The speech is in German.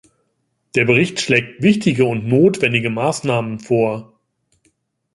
Der Bericht schlägt wichtige und notwendige Maßnahmen vor.